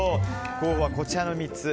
候補はこちらの３つです。